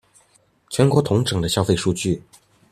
全國統整的消費數據